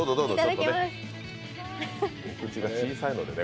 口が小さいのでね。